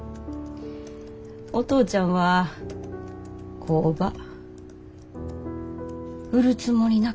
お父ちゃんは工場売るつもりなかった。